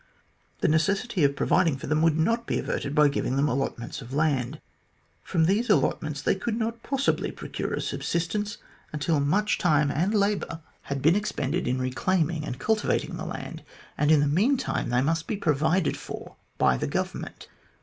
The necessity of providing for them would not be averted by giving them allotments of land. From these allotments they could not possibly procure a subsistence until much time and labour 54 THE GLADSTONE COLONY had been expended in reclaiming and cultivating the land, and in the meantime they must be provided for by the Government.